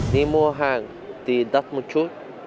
đi mua hàng thì đắt một chút